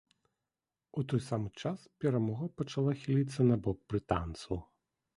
У той самы час перамога пачала хіліцца на бок брытанцаў.